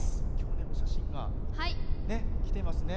お写真が来てますね。